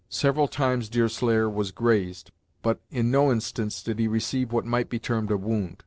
Several times Deerslayer was grazed, but in no instance did he receive what might be termed a wound.